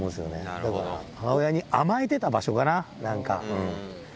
だから母親に甘えてた場所かな、なんか。